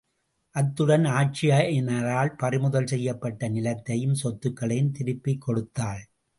அத்துடன் ஆட்சியினரால் பறிமுதல் செய்யப்பட்ட நிலத்தையும், சொத்துக்களையும் திருப்பிக் கொடுத்தாள்.